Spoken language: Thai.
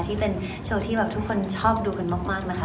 ที่เป็นโชว์ที่แบบทุกคนชอบดูกันมากนะคะ